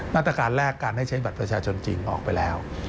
มาตรการแรกการให้ใช้บัตรประชาชนจริงออกไปแล้ว